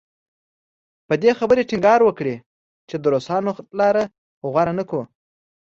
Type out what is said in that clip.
پر دې خبرې ټینګار وکړي چې د روسانو لاره غوره نه کړو.